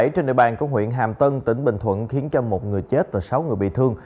trên địa bàn của huyện hàm tân tỉnh bình thuận khiến cho một người chết và sáu người bị thương